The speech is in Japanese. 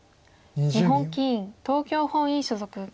日本棋院東京本院所属。